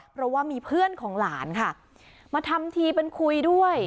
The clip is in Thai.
เพราะว่ามีเพื่อนของหลานค่ะมาทำทีเป็นคุยด้วย